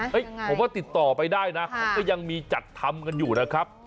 ผมว่าติดต่อไปได้นะเขาก็ยังมีจัดทำกันอยู่นะครับ